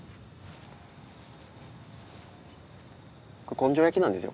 根性焼きなんですよ。